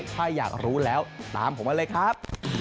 ถ้าอยากรู้แล้วตามผมมาเลยครับ